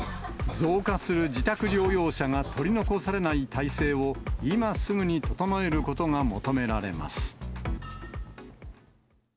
増加する自宅療養者が取り残されない体制を今すぐに整えることが求められます。